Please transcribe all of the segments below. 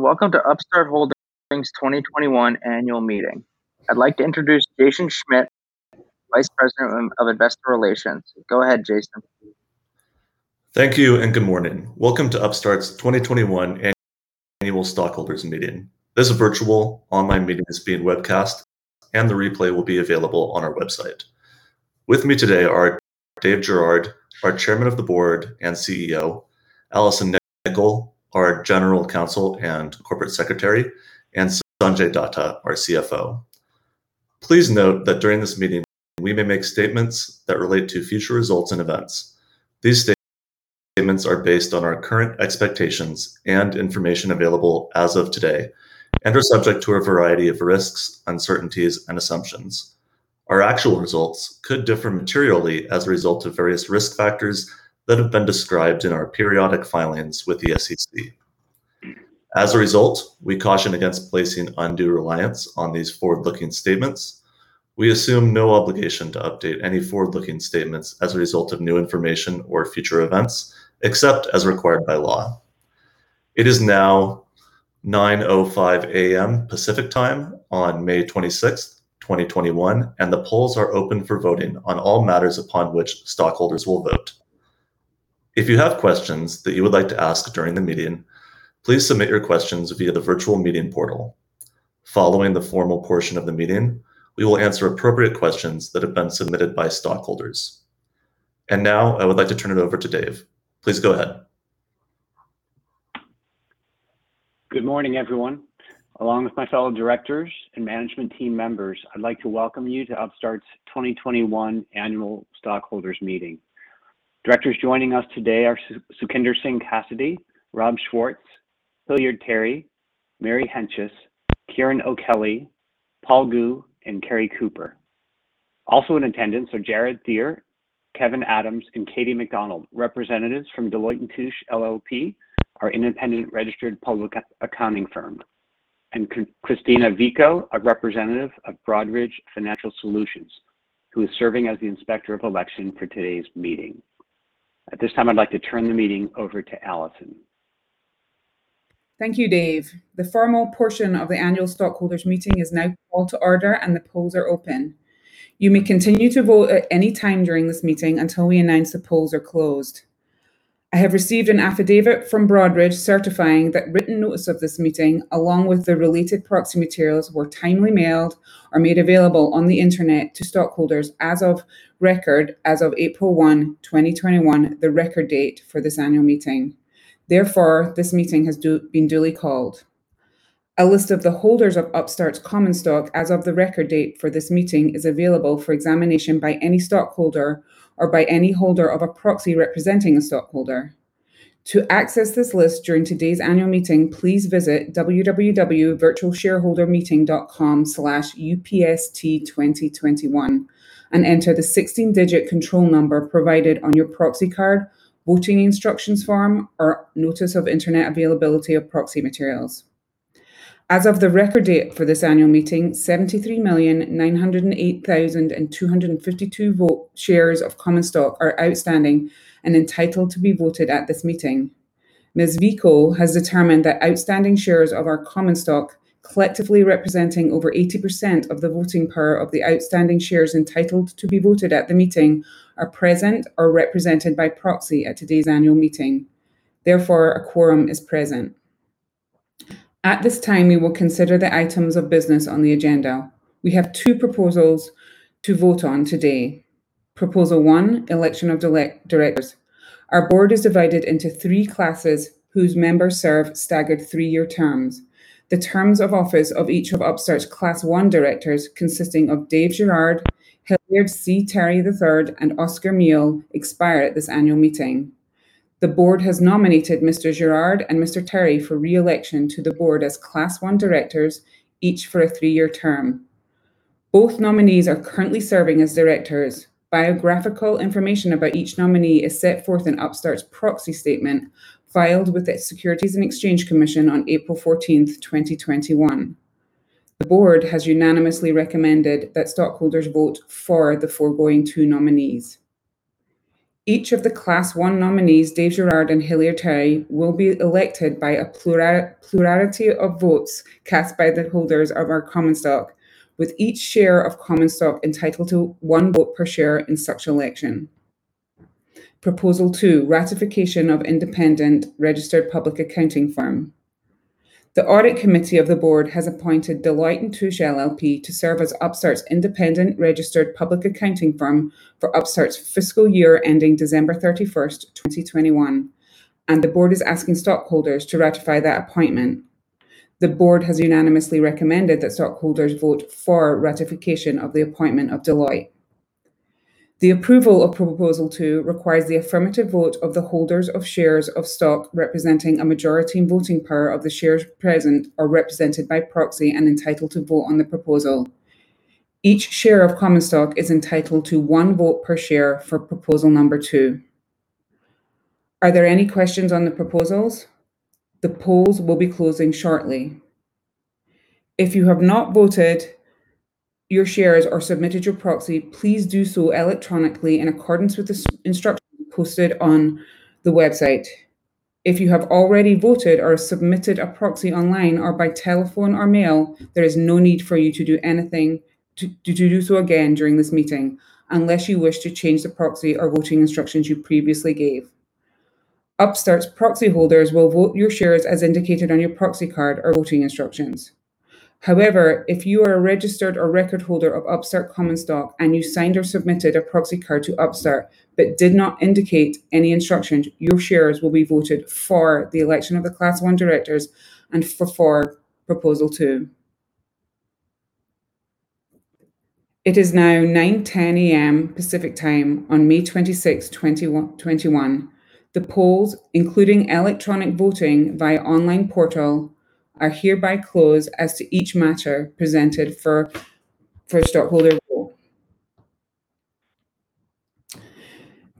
Welcome to Upstart Holdings' 2021 Annual Meeting. I'd like to introduce Jason Schmidt, Vice President of Investor Relations. Go ahead, Jason. Thank you, and good morning. Welcome to Upstart's 2021 Annual Stockholders Meeting. This virtual online meeting is being webcast, and the replay will be available on our website. With me today are Dave Girouard, our Alison Nicoll, our General Counsel and Corporate Secretary, and Sanjay Datta, our CFO. Please note that during this meeting, we may make statements that relate to future results and events. These statements are based on our current expectations and information available as of today and are subject to a variety of risks, uncertainties, and assumptions. Our actual results could differ materially as a result of various risk factors that have been described in our periodic filings with the SEC. As a result, we caution against placing undue reliance on these forward-looking statements. We assume no obligation to update any forward-looking statements as a result of new information or future events, except as required by law. It is now 9:05 A.M. Pacific Time on May 26th, 2021, and the polls are open for voting on all matters upon which stockholders will vote. If you have questions that you would like to ask during the meeting, please submit your questions via the virtual meeting portal. Following the formal portion of the meeting, we will answer appropriate questions that have been submitted by stockholders. Now I would like to turn it over to Dave. Please go ahead. Good morning, everyone. Along with my fellow directors and management team members, I'd like to welcome you to Upstart's 2021 Annual Stockholders Meeting. Directors joining us today are Sukhinder Singh Cassidy, Rob Schwartz, Hilliard Terry, Mary Hentges, Ciaran O'Kelly, Paul Gu, and Kerry Cooper. Also in attendance are Jared Daer, Kevin Adams, and Katie MacDonald, representatives from Deloitte & Touche LLP, our independent registered public accounting firm, and Christina Vico, a representative of Broadridge Financial Solutions, who is serving as the Inspector of Election for today's meeting. At this time, I'd like to turn the meeting over to Alison Nicoll. Thank you, Dave. The formal portion of the annual stockholders meeting is now called to order and the polls are open. You may continue to vote at any time during this meeting until we announce the polls are closed. I have received an affidavit from Broadridge certifying that written notice of this meeting, along with the related proxy materials, were timely mailed or made available on the internet to stockholders as of record as of April 1, 2021, the record date for this annual meeting. Therefore, this meeting has been duly called. A list of the holders of Upstart's common stock as of the record date for this meeting is available for examination by any stockholder or by any holder of a proxy representing a stockholder. To access this list during today's annual meeting, please visit www.virtualshareholdermeeting.com/upst2021 and enter the 16-digit control number provided on your proxy card, voting instructions form, or notice of internet availability of proxy materials. As of the record date for this Annual Meeting, 73,908,252 shares of common stock are outstanding and entitled to be voted at this meeting. Ms. Vico has determined that outstanding shares of our common stock, collectively representing over 80% of the voting power of the outstanding shares entitled to be voted at the meeting, are present or represented by proxy at today's annual meeting, therefore, a quorum is present. At this time, we will consider the items of business on the agenda. We have two proposals to vote on today. Proposal one, election of directors. Our board is divided into three classes whose members serve staggered three-year terms. The terms of office of each of Upstart's Class I directors, consisting of Dave Girouard, Hilliard C. Terry III, and Oscar Miele, expire at this Annual Meeting. The board has nominated Mr. Girouard and Mr. Terry for re-election to the board as Class I directors, each for a three-year term. Both nominees are currently serving as directors. Biographical information about each nominee is set forth in Upstart's proxy statement filed with the Securities and Exchange Commission on April 14th, 2021. The board has unanimously recommended that stockholders vote for the foregoing two nominees. Each of the Class I nominees, Dave Girouard and Hilliard Terry, will be elected by a plurality of votes cast by the holders of our common stock, with each share of common stock entitled to one vote per share in such election. Proposal two, ratification of independent registered public accounting firm. The audit committee of the board has appointed Deloitte & Touche LLP to serve as Upstart's independent registered public accounting firm for Upstart's fiscal year ending December 31st, 2021. The board is asking stockholders to ratify that appointment. The board has unanimously recommended that stockholders vote for ratification of the appointment of Deloitte. The approval of proposal two requires the affirmative vote of the holders of shares of stock representing a majority in voting power of the shares present or represented by proxy and entitled to vote on the proposal. Each share of common stock is entitled to one vote per share for proposal number two. Are there any questions on the proposals? The polls will be closing shortly. If you have not voted your shares or submitted your proxy, please do so electronically in accordance with the instructions posted on the website. If you have already voted or submitted a proxy online or by telephone or mail, there is no need for you to do so again during this meeting unless you wish to change the proxy or voting instructions you previously gave. Upstart's proxy holders will vote your shares as indicated on your proxy card or voting instructions. However, if you are a registered or record holder of Upstart common stock and you signed or submitted a proxy card to Upstart but did not indicate any instructions, your shares will be voted for the election of the Class I directors and for Proposal two. It is now 9:10 A.M. Pacific Time on May 26th, 2021. The polls, including electronic voting via online portal, are hereby closed as to each matter presented for a stockholder vote.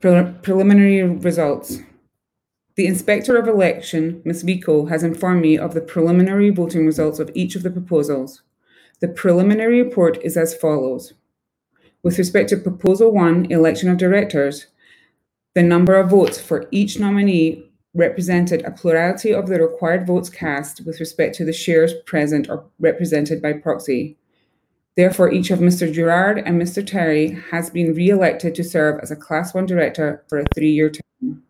Preliminary results. The Inspector of Election, Ms. Vico, has informed me of the preliminary voting results of each of the proposals. The preliminary report is as follows. With respect to Proposal one, Election of Directors, the number of votes for each nominee represented a plurality of the required votes cast with respect to the shares present or represented by proxy. Therefore, each of Mr. Girouard and Mr. Terry has been reelected to serve as a Class I director for a three-year term.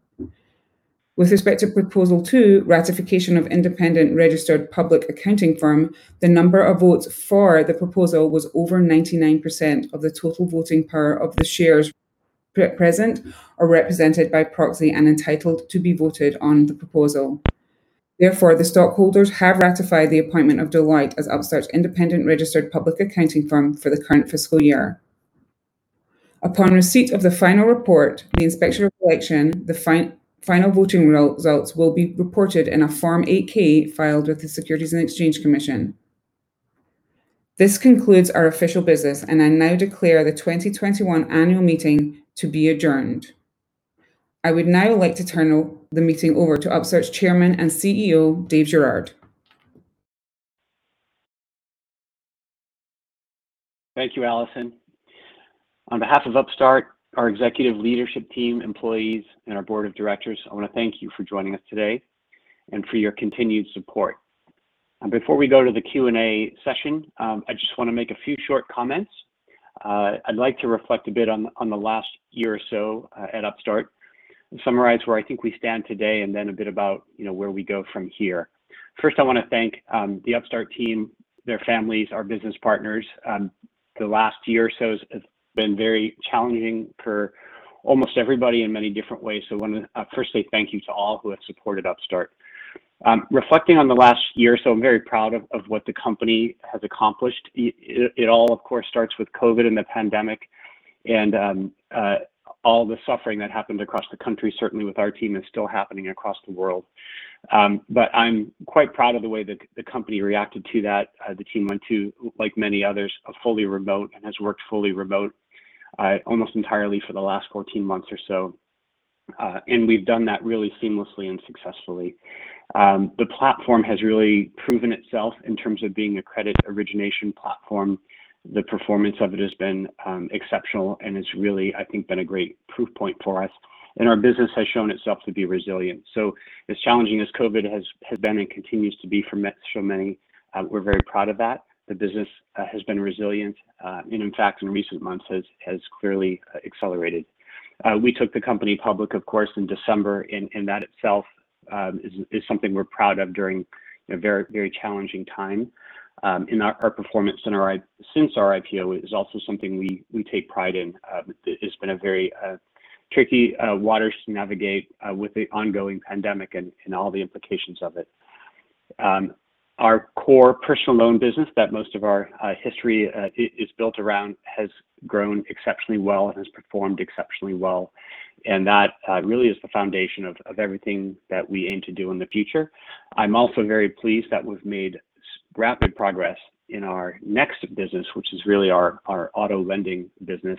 With respect to Proposal two, Ratification of Independent Registered Public Accounting Firm, the number of votes for the proposal was over 99% of the total voting power of the shares present or represented by proxy and entitled to be voted on the proposal. Therefore, the stockholders have ratified the appointment of Deloitte as Upstart's independent registered public accounting firm for the current fiscal year. Upon receipt of the final report, the Inspector of Election, the final voting results will be reported in a Form 8-K filed with the Securities and Exchange Commission. This concludes our official business, and I now declare the 2021 Annual Meeting to be adjourned. I would now like to turn the meeting over to Upstart's Chairman and CEO, Dave Girouard. Thank you, Alison Nicoll. On behalf of Upstart, our executive leadership team, employees, and our Board of Directors, I want to thank you for joining us today and for your continued support. Before we go to the Q&A session, I just want to make a few short comments. I'd like to reflect a bit on the last year or so at Upstart and summarize where I think we stand today, and then a bit about where we go from here. First, I want to thank the Upstart team, their families, our business partners. The last year or so has been very challenging for almost everybody in many different ways. I want to first say thank you to all who have supported Upstart. Reflecting on the last year or so, I'm very proud of what the company has accomplished. It all, of course, starts with COVID and the pandemic and all the suffering that happened across the country, certainly with our team, and still happening across the world. I'm quite proud of the way that the company reacted to that. The team went to, like many others, fully remote and has worked fully remote almost entirely for the last 14 months or so. We've done that really seamlessly and successfully. The platform has really proven itself in terms of being a credit origination platform. The performance of it has been exceptional, and it's really, I think, been a great proof point for us. Our business has shown itself to be resilient. As challenging as COVID has been and continues to be for so many, we're very proud of that. The business has been resilient and in fact, in recent months, has clearly accelerated. We took the company public, of course, in December, and that itself is something we're proud of during a very challenging time. Our performance since our IPO is also something we take pride in. It's been a very tricky waters to navigate with the ongoing pandemic and all the implications of it. Our core personal loan business that most of our history is built around has grown exceptionally well and has performed exceptionally well, and that really is the foundation of everything that we aim to do in the future. I'm also very pleased that we've made rapid progress in our next business, which is really our auto lending business,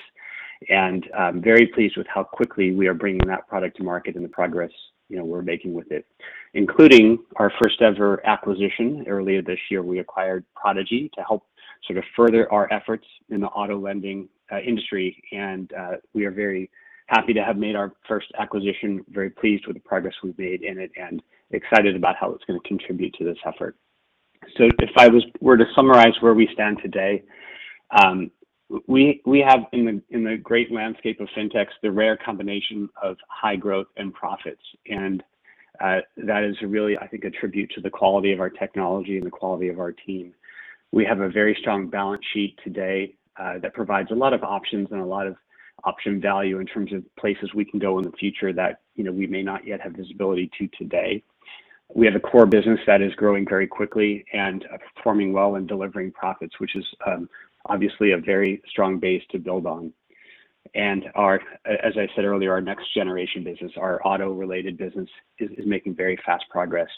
and I'm very pleased with how quickly we are bringing that product to market and the progress we're making with it, including our first-ever acquisition. Earlier this year, we acquired Prodigy to help sort of further our efforts in the auto lending industry. We are very happy to have made our first acquisition, very pleased with the progress we've made in it, excited about how it's going to contribute to this effort. If I were to summarize where we stand today, we have in the great landscape of fintechs, the rare combination of high growth and profits. That is really, I think, a tribute to the quality of our technology and the quality of our team. We have a very strong balance sheet today that provides a lot of options and a lot of option value in terms of places we can go in the future that we may not yet have visibility to today. We have a core business that is growing very quickly and performing well and delivering profits, which is obviously a very strong base to build on. As I said earlier, our next generation business, our auto-related business, is making very fast progress.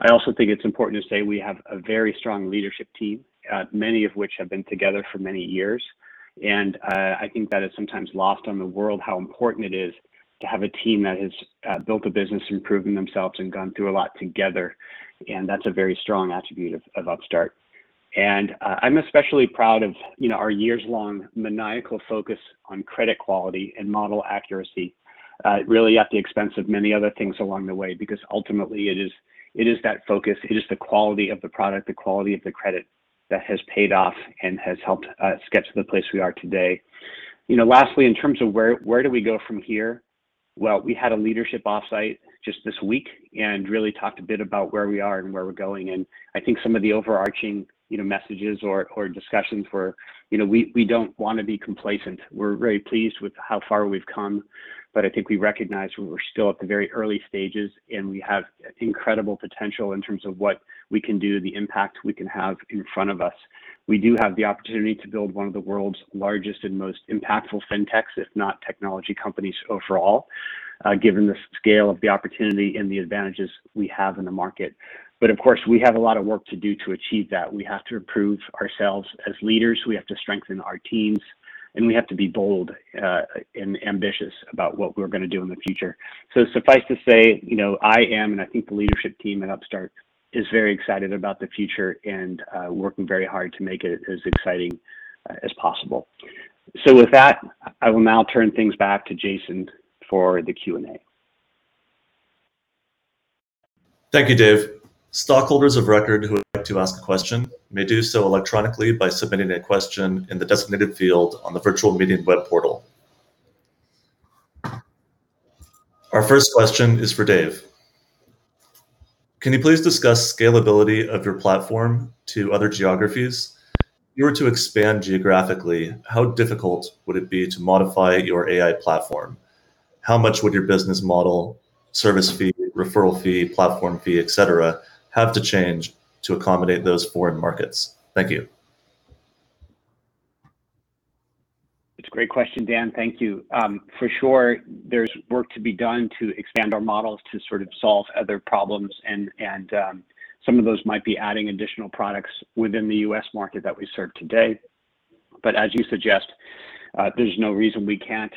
I also think it's important to say we have a very strong leadership team, many of which have been together for many years. I think that is sometimes lost on the world how important it is to have a team that has built a business, and proven themselves, and gone through a lot together, and that's a very strong attribute of Upstart. I'm especially proud of our years-long maniacal focus on credit quality and model accuracy, really at the expense of many other things along the way, because ultimately it is that focus, it is the quality of the product, the quality of the credit that has paid off and has helped us get to the place we are today. Lastly, in terms of where do we go from here? Well, we had a leadership offsite just this week and really talked a bit about where we are and where we're going, and I think some of the overarching messages or discussions were we don't want to be complacent. We're very pleased with how far we've come, but I think we recognize we're still at the very early stages, and we have incredible potential in terms of what we can do and the impact we can have in front of us. We do have the opportunity to build one of the world's largest and most impactful fintechs, if not technology companies overall, given the scale of the opportunity and the advantages we have in the market. Of course, we have a lot of work to do to achieve that. We have to prove ourselves as leaders. We have to strengthen our teams, and we have to be bold and ambitious about what we're going to do in the future. Suffice to say, I am, and I think the leadership team at Upstart is very excited about the future and working very hard to make it as exciting as possible. With that, I will now turn things back to Jason for the Q&A. Thank you, Dave. Stockholders of record who would like to ask a question may do so electronically by submitting a question in the designated field on the virtual meeting web portal. Our first question is for Dave. Can you please discuss scalability of your platform to other geographies? If you were to expand geographically, how difficult would it be to modify your AI platform? How much would your business model, service fee, referral fee, platform fee, et cetera, have to change to accommodate those foreign markets? Thank you. It's a great question, Dan. Thank you. For sure, there's work to be done to expand our models to sort of solve other problems, and some of those might be adding additional products within the U.S. market that we serve today. As you suggest, there's no reason we can't,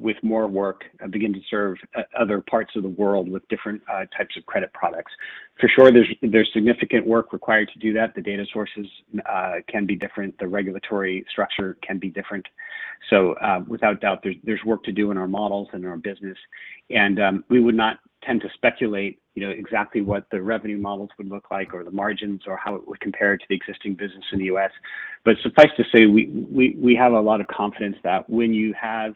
with more work, begin to serve other parts of the world with different types of credit products. For sure, there's significant work required to do that. The data sources can be different. The regulatory structure can be different. Without doubt, there's work to do in our models and our business, and we would not tend to speculate exactly what the revenue models would look like or the margins or how it would compare to the existing business in the U.S. Suffice to say, we have a lot of confidence that when you have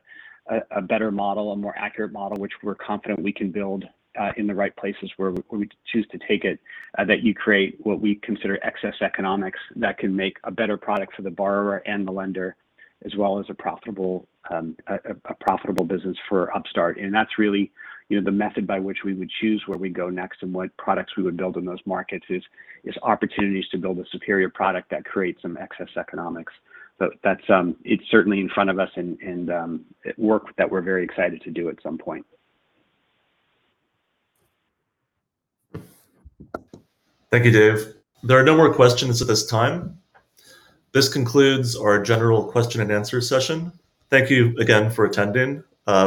a better model, a more accurate model, which we're confident we can build in the right places where we choose to take it, that you create what we consider excess economics that can make a better product for the borrower and the lender as well as a profitable business for Upstart. That's really the method by which we would choose where we go next and what products we would build in those markets is opportunities to build a superior product that creates some excess economics. It's certainly in front of us and work that we're very excited to do at some point. Thank you, Dave. There are no more questions at this time. This concludes our general question-and-answer session. Thank you again for attending.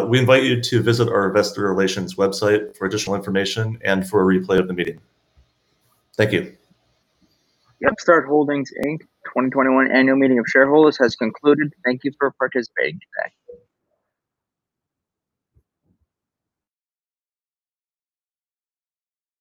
We invite you to visit our investor relations website for additional information and for a replay of the meeting. Thank you. The Upstart Holdings, Inc. 2021 Annual Meeting of Shareholders has concluded. Thank you for participating. Bye.